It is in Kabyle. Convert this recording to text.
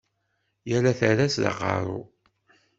Yal aterras d aqeṛṛu.